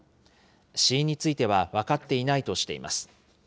死因については分かっていないとしています。